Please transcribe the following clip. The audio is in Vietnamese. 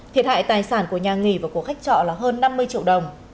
thiệt hại tài sản của nhà nghỉ và của khách trọ là hơn năm mươi triệu đồng